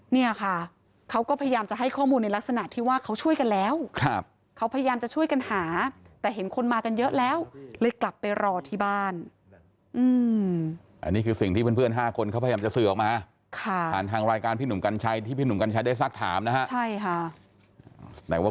นี่ค่ะเขาก็พยายามจะให้ข้อมูลในลักษณะที่ว่าเขาช่วยกันแล้ว